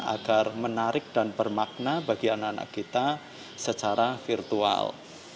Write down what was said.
agar menarik dan bermakna bagi anak anak kita secara virtual